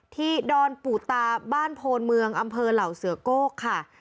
ดอนปู่ตาบ้านโพนเมืองอำเภอเหล่าเสือโก้ค่ะ